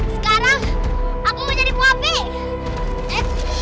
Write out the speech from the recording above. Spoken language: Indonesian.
sekarang aku mau jadi pelatih